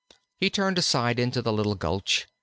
He turned aside into the little gulch.